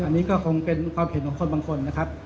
อันนี้ก็คงเป็นความเห็นของคนบางคนนะครับ